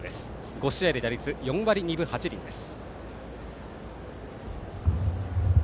５試合で打率は４割２分８厘です。